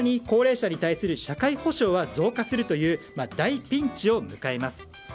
高齢者に対する社会保障は増加するという大ピンチを迎えます。